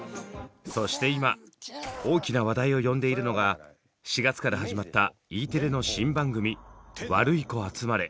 そして今大きな話題を呼んでいるのが４月から始まったＥテレの新番組「ワルイコあつまれ」。